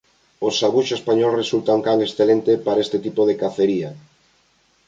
O sabuxo español resulta un can excelente para este tipo de cacería.